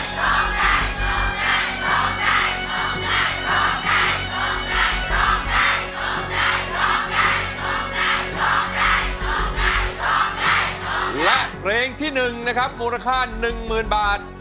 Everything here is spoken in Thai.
และเพลงที่๑นะครับมูลค่า๑๐๐๐บาท